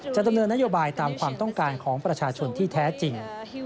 ดำเนินนโยบายตามความต้องการของประชาชนที่แท้จริง